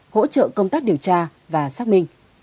hỗ trợ công tác điều tra và xác minh